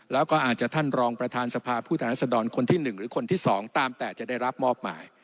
แล้วก็อาจจะท่านรองประธานสภาผู้แทนรัศดรคนที่๑หรือคนที่๒ตามแต่จะได้รับมอบหมาย